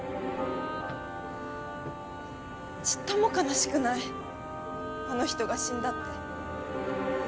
ちっとも悲しくないあの人が死んだって。